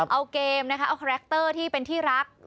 เอาเกมเอาคอรัคเตอร์ที่เป็นที่รัก